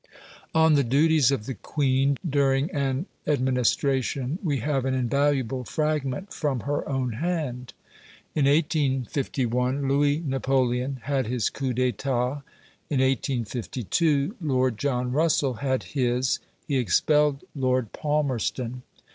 On the duties of the Queen during an administration we have an invaluable fragment from her own hand. In 1851 Louis Napoleon had his coup d'etat: in 1852 Lord John Russell had his he expelled Lord Palmerston.